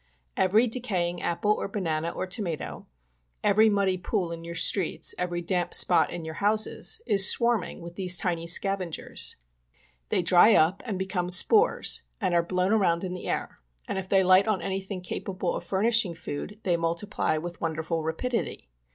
Every decay ing apple or banana or tomatoe, every muddy pool in your streets, every damp spot in your houses is swarming with these tiny scavengers. They dry up and become spores and POISONING BY CANNED GOODS. 59 are blown around in the air, and if they light on anything capable of furnishing food they multiply with wonderful rapidity.